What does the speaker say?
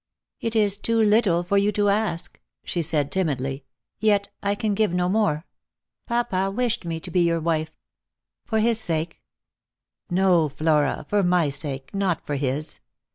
" It is too little for you to ask," she said timidly; " yet I can give no more. Papa wished me to be your wife. For his sake "" No, Flora, for my sake, not for his.